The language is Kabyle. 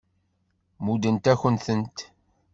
Muddent-akent-tent.